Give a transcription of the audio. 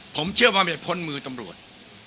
ผมเชื่อว่าไม่พ้นมือตำรวจ